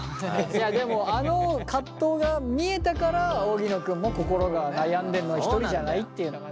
でもあの葛藤が見えたから荻野君も心が悩んでんのは１人じゃないっていうのがね。